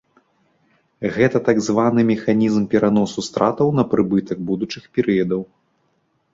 Гэта так званы механізм пераносу стратаў на прыбытак будучых перыядаў.